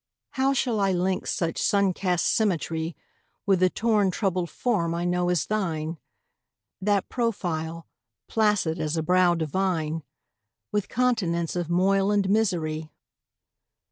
How shall I link such sun cast symmetry With the torn troubled form I know as thine, That profile, placid as a brow divine, With continents of moil and misery?